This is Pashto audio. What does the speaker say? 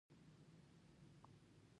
علي تل د مشرانو په خبره کې یوه نیمه کوي.